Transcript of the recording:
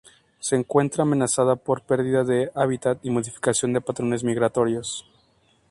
Se encuentra amenazada por perdida de hábitat y modificación de patrones migratorios.